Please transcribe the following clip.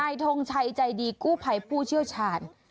นายโทงชัยใจดีกู้ไพผู้เชี่ยวชาญ